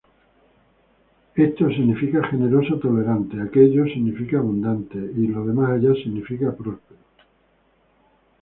寛 significa "generoso, tolerante", 裕 significa "abundante" y 浩 significa "próspero".